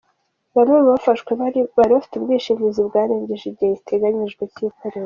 Bamwe mu bafashwe bari bafite ubwishingizi bwarengeje igihe giteganyijwe cy’ikoreshwa.